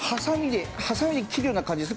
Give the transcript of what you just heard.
ハサミで切るような感じですね。